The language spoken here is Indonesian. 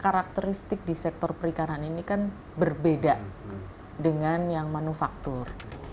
karakteristik di sektor perikanan ini kan berbeda dengan yang manufaktur